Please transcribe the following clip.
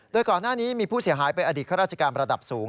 โดยก่อนหน้านี้มีผู้เสียหายเป็นอดีตข้าราชการระดับสูง